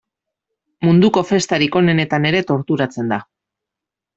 Munduko festarik onenetan ere torturatzen da.